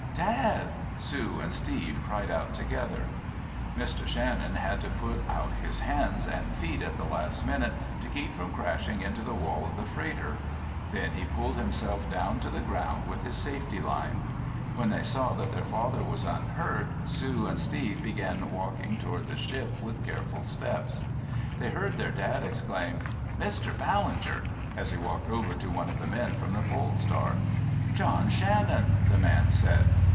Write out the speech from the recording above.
"Dad!" Sue and Steve cried out together. Mr. Shannon had to put out his hands and feet at the last minute to keep from crashing into the wall of the freighter. Then he pulled himself down to the ground with his safety line. When they saw that their father was unhurt, Sue and Steve began walking toward the ship with careful steps. They heard their dad exclaim, "Mr. Ballinger!" as he walked over to one of the men from the Pole Star. "John Shannon!" the man said.